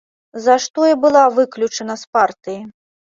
За што і была выключана з партыі.